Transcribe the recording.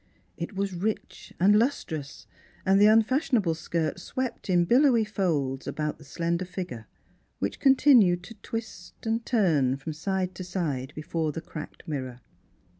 It was rich and lus trous, and the unfashionable skirt swept in billowy folds about the slender figure, which continued to twist and turn from side to side before the cracked mirror.